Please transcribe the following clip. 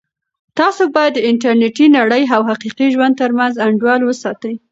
تاسو باید د انټرنیټي نړۍ او حقیقي ژوند ترمنځ انډول وساتئ.